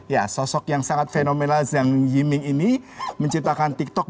ya sosok yang sangat fenomena zhang yiming ini menciptakan tiktok